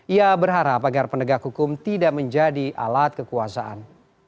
ia berharap agar penegak hukum tidak menjadi alat kekuasaan